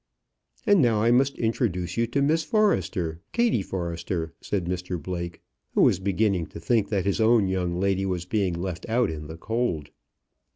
"And now I must introduce you to Miss Forrester, Kattie Forrester," said Mr Blake, who was beginning to think that his own young lady was being left out in the cold.